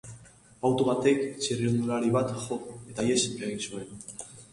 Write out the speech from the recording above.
Auto batek txirrindulari bat jo, eta ihes egin zuen.